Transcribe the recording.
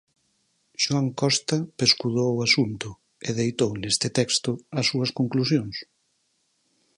Xoán Costa pescudou o asunto e deitou neste texto as súas conclusións.